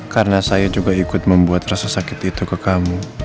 karena saya juga ikut membuat rasa sakit itu ke kamu